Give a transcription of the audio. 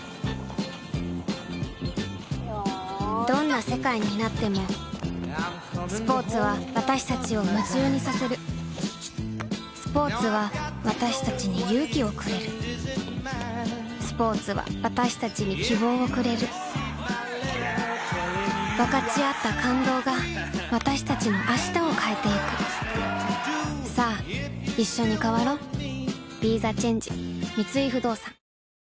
どんな世界になってもスポーツは私たちを夢中にさせるスポーツは私たちに勇気をくれるスポーツは私たちに希望をくれる分かち合った感動が私たちの明日を変えてゆくさあいっしょに変わろう